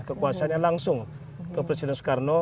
kekuasaannya langsung ke presiden soekarno